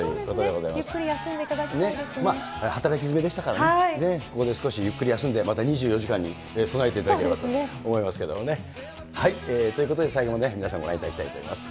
ゆっくり休んでいただきたい働き詰めでしたからね、ここで少しゆっくり休んで、また２４時間に備えていただければと思いますけれどもね。ということで最後まで皆さん、ご覧いただきたいと思います。